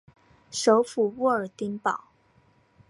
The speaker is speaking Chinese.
首府沃尔丁堡。